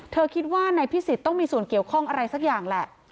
คิดว่านายพิสิทธิ์ต้องมีส่วนเกี่ยวข้องอะไรสักอย่างแหละ